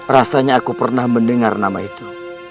rasanya aku pernah mendengar nama itu